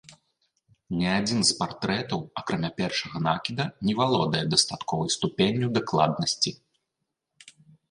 Ні адзін з партрэтаў, акрамя першага накіда, не валодае дастатковай ступенню дакладнасці.